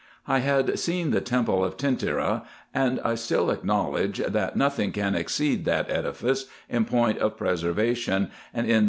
I had seen the temple of Tentyra, and I still acknowledge, that nothing can exceed that edifice in point of preservation, and in the IN EGYPT, NUBIA, &c.